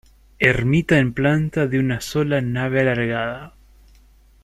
Ermita en planta de una sola nave alargada.